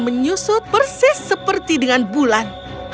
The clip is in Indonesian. menyusut persis seperti dengan bulan